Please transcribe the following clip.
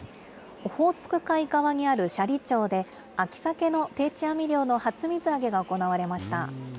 オホーツク海側にある斜里町で、秋サケの定置網漁の初水揚げが行われました。